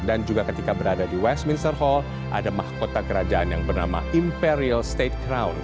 dan juga ketika berada di westminster hall ada mahkota kerajaan yang bernama imperial state crown